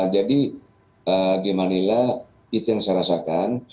jadi di manila itu yang saya rasakan